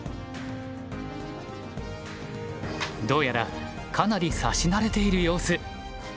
どうやらかなり指し慣れている様子。